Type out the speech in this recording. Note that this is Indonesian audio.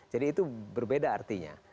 jadi itu berbeda artinya